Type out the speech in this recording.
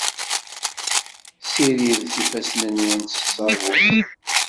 Ssiridet ifassen-nwen s ṣṣabun.